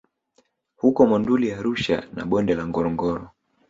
huko Monduli Arusha na Bonde la Ngorongoro